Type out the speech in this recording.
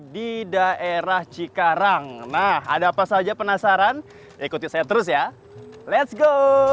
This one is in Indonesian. di daerah cikarang nah ada apa saja penasaran ikuti saya terus ya let's go